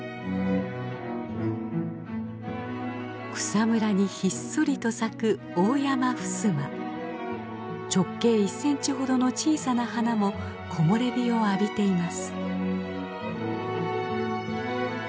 草むらにひっそりと咲く直径１センチほどの小さな花も木漏れ日を浴びています。